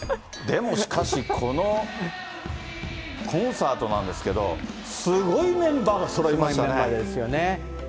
でもしかし、このコンサートなんですけど、すごいメンバーがそろいましたね、すごいですよね。